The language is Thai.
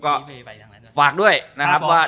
ก็ฝากด้วยนะครับว่า